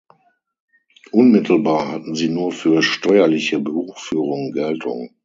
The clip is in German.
Unmittelbar hatten sie nur für steuerliche Buchführung Geltung.